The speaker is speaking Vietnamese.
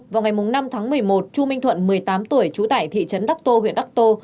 vào ngày năm tháng một mươi một chu minh thuận một mươi tám tuổi trú tại thị trấn đắc tô huyện đắc tô